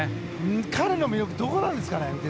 彼の魅力どこなんですか？